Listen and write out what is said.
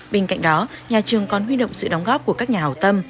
bên cạnh đó nhà trường còn huy động sự đóng góp của các nhà hào tâm